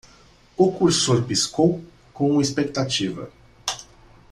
O cursor piscou? com expectativa.